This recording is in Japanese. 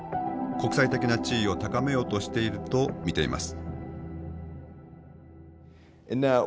国際的な地位を高めようとしていると見ています。